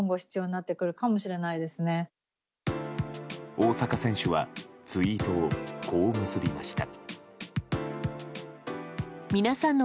大坂選手はツイートをこう結びました。